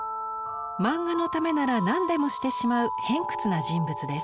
漫画のためなら何でもしてしまう偏屈な人物です。